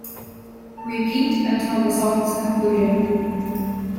Repeat until the song's conclusion.